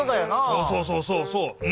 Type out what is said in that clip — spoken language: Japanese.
そうそうそうそうそう！